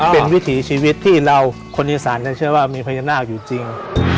เป็นวิถีชีวิตที่เราคนอีสานจะเชื่อว่ามีพญานาคอยู่จริง